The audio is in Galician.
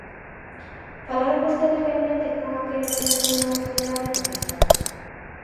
¿Falaron vostedes realmente con aqueles que defenden a sanidade pública?